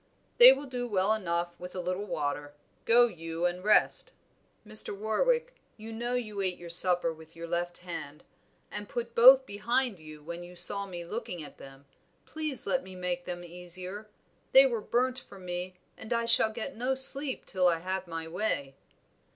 "They will do well enough with a little water; go you and rest." "Mr. Warwick, you know you ate your supper with your left hand, and put both behind you when you saw me looking at them. Please let me make them easier; they were burnt for me, and I shall get no sleep till I have had my way."